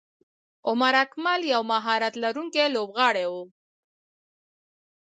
عمر اکمل یو مهارت لرونکی لوبغاړی وو.